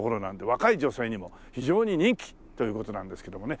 若い女性にも非常に人気という事なんですけどもね。